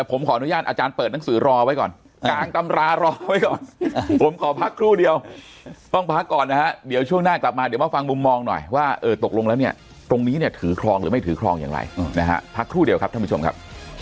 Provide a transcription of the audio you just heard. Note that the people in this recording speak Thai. พักทั่วเดียวต้องพักก่อนนะฮะเดี๋ยวช่วงหน้ากลับมาเดี๋ยวมาฟังมุมมองหน่อยว่าเออตกลงแล้วเนี่ยตรงนี้เนี่ยถือคลองหรือไม่ถือคลองอย่างไรนะฮะพักทั่วเดียวครับท่านผู้ชมครับ